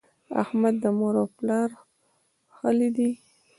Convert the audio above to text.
احمد د مور او پلار ښهلی دی.